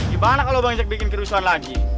gimana kalau bang jack bikin kerusuhan lagi